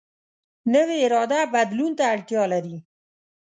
نوې اراده بدلون ته اړتیا لري